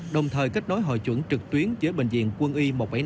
đồng thời kết nối hội chuẩn trực tuyến với bệnh viện quân y một trăm bảy mươi năm